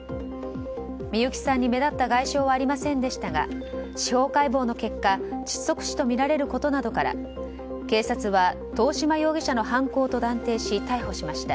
みゆきさんに目立った外傷はありませんでしたが司法解剖の結果窒息死とみられることなどから警察は、遠嶋容疑者の犯行と断定し逮捕しました。